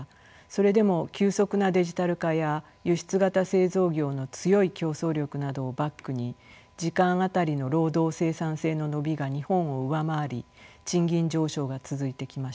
それでも急速なデジタル化や輸出型製造業の強い競争力などをバックに時間当たりの労働生産性の伸びが日本を上回り賃金上昇が続いてきました。